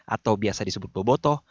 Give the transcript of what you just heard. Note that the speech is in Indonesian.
atau biasa disebut boboto